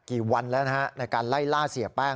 กี่วันแล้วนะฮะในการไล่ล่าเสียแป้ง